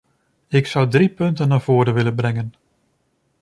Ik zou drie punten naar voren willen brengen.